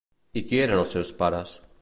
I qui eren els seus pares?